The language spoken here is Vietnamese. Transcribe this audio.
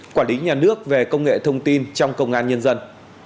quản lý nhà nước về công nghệ thông tin trong công an nhân dân